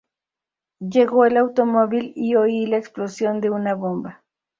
Llegó el automóvil y oí la explosión de una bomba.